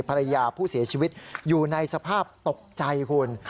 ภรรยาผู้เสียชีวิตอยู่ในสภาพตกใจคุณ